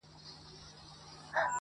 o مېږه چي پمنه سي، هر عيب ئې په کونه سي٫